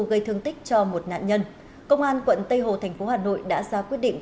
gây thương tích cho một nạn nhân công an quận tây hồ thành phố hà nội đã ra quyết định